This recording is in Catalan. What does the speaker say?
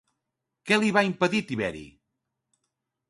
Què li va impedir Tiberi?